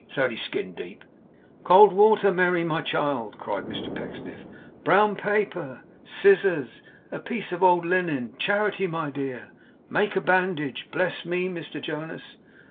It's only skin deep.' 'Cold water, Merry, my child!' cried Mr Pecksniff. 'Brown paper! Scissors! A piece of old linen! Charity, my dear, make a bandage. Bless me, Mr Jonas!